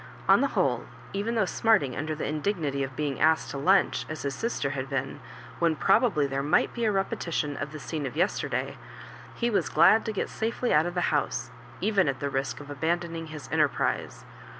On the whole, even though smarting under the indignity of being asked to lunch, as his sister had been, when pro bably there might be a repetition of the scene of yesterday, he was glad to get safely out of the house, even at the risk of abandoning his enter prise.